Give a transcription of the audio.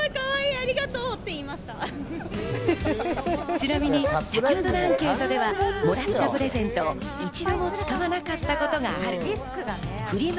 ちなみに、先ほどのアンケートではもらったプレゼントを一度も使わなかったという人が３０％。